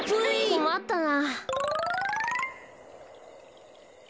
こまったな。